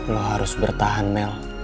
lo harus bertahan mel